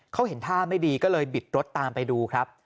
เขาเห็นท่าไม่ดีก็เลยบิดรถตามไปดูครับ